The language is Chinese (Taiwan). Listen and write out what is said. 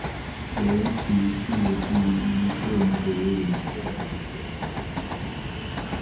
尤其是第一線處理問題的人